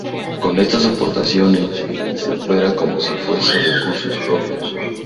Con estas aportaciones se opera como si fuesen recursos propios.